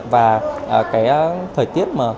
và cái thời tiết